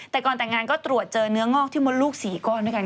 แต่ก่อนแต่งงานก็ตรวจเจอเนื้องอกที่มดลูก๔ก้อนด้วยกัน